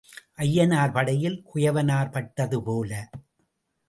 ஐயனார் படையில் குயவனார் பட்டது போல.